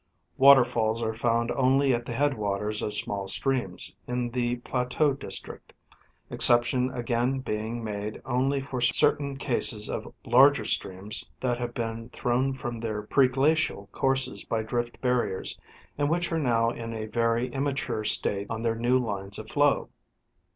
Water falls are found only at the headwaters of small streams in the plateau district, exception again being made only for certain cases of larger streams that have been thrown from their pre glacial courses by drift barriers, and which are now in a very immature state on their new lines of flow.